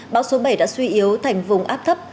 bão số bảy đã suy yếu thành vùng áp thấp